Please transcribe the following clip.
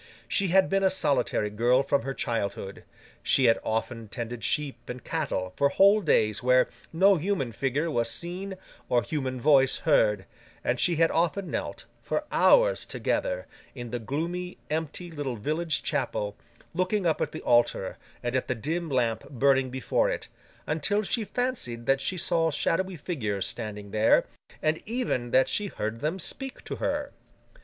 She had been a solitary girl from her childhood; she had often tended sheep and cattle for whole days where no human figure was seen or human voice heard; and she had often knelt, for hours together, in the gloomy, empty, little village chapel, looking up at the altar and at the dim lamp burning before it, until she fancied that she saw shadowy figures standing there, and even that she heard them speak to her.